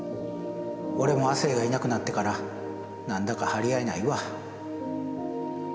俺も亜生がいなくなってから何だか張り合いないわ。